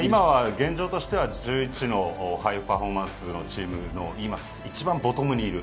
現状としては１１のハイパフォーマンスのチームの一番ボトムにいる。